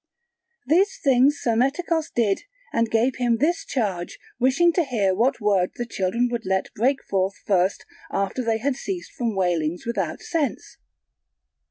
These things Psammetichos did and gave him this charge wishing to hear what word the children would let break forth first after they had ceased from wailings without sense.